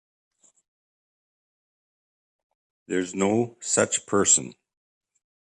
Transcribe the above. There's no such person.